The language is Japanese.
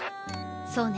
そうね。